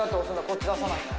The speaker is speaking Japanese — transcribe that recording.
こっち出さないんだ。